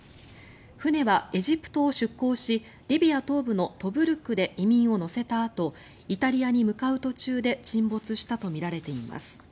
船はエジプトを出航しリビア東部のトブルクで移民を乗せたあとイタリアに向かう途中で沈没したとみられています。